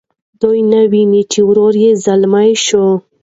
دوی نه ویني چې ورور یې ځلمی شوی.